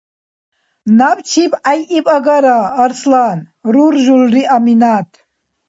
– Набчиб гӀяйиб агара, Арслан, – руржулри Аминат.